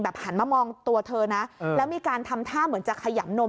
หันมามองตัวเธอนะแล้วมีการทำท่าเหมือนจะขยำนม